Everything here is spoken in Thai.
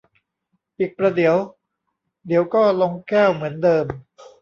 อีกประเดี๋ยว เดี๋ยวก็ลงแก้วเหมือนเดิม